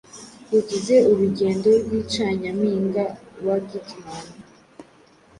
Yagize urugendo rwicanyampinga wa Geatman